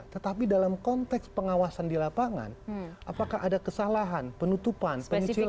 tetapi dalam konteks pengawasan di lapangan apakah ada kesalahan penutupan penyicilan